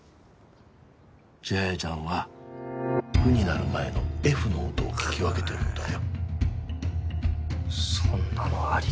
千早ちゃんは「ふ」になる前の「Ｆ」の音を聞き分けてるんだよ。